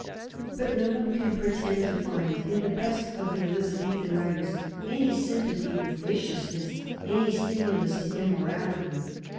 But no one can pretend to find in the best of the Elizabethan writers any sym pathy with viciousness, any stimulus to immorality.